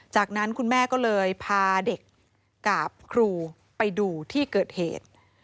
จากนั้นคุณแม่ก็เลยพาเด็กกับครูไปดูที่เกิดเหตุ